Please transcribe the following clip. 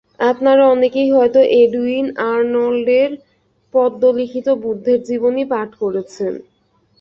আপনারা অনেকেই হয়তো এডুইন আর্নল্ডের পদ্যে লিখিত বুদ্ধের জীবনী পাঠ করেছেন।